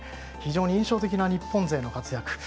非常に印象的な日本勢の活躍